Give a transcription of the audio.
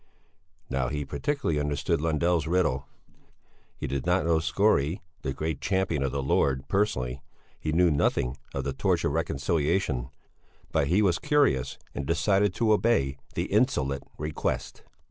Now he partially understood Lundell's riddle. He did not know Skore, the great champion of the Lord, personally; he knew nothing of the Torch of Reconciliation, but he was curious and decided to obey the insolent request.